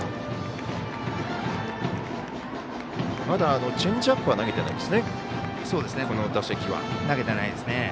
まだチェンジアップは投げていないですね。